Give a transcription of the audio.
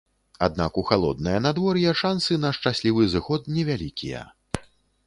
Аднак у халоднае надвор'е шансы на шчаслівы зыход невялікія.